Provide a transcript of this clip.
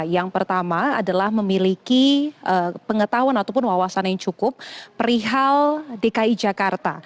yang pertama adalah memiliki pengetahuan ataupun wawasan yang cukup perihal dki jakarta